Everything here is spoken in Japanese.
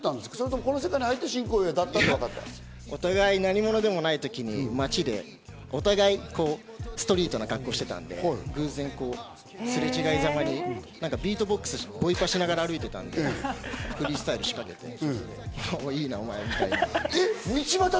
この世界お互い何者でもないときに街で、お互いストリートな格好してたんで、偶然、すれ違いざまにビートボックス、ボイパしながら歩いてたんで、フリースタイルを仕掛けて、いいな！お前！みたいな。